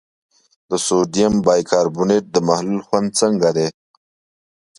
د سوډیم کاربونیټ د محلول خوند څنګه دی؟